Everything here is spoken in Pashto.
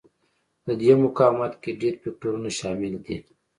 د دې مقاومت کې ډېر فکټورونه شامل دي.